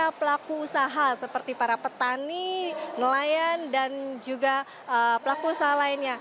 dan para pelaku usaha seperti para petani nelayan dan juga pelaku usaha lainnya